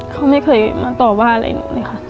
เขาไม่เคยมาต่อว่าอะไรหนูเลยค่ะ